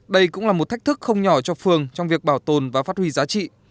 đây cũng là một thách thức không nhỏ cho phường trong việc bảo tồn và phát huy giá trị